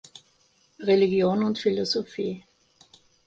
Religion und Philosophie.